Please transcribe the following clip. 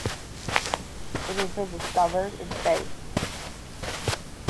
It has been discovered in space.